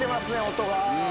音が。